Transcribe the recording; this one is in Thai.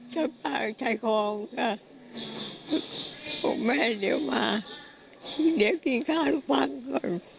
ช่วงเที่ยงลูกชายคลองค่ะพวกแม่เดี๋ยวมาเดี๋ยวกินข้าวทุกวันก่อน